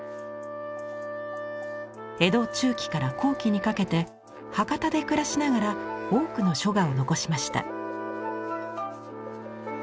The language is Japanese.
江戸中期から後期にかけて博多で暮らしながら多くの書画を残しました。